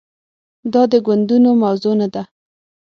دا د ګوندونو موضوع نه ده.